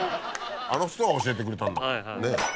あの人が教えてくれたんだから。